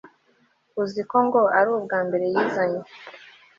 uziko ngo ari ubwambere yizanye